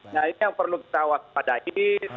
nah ini yang perlu kita waspadai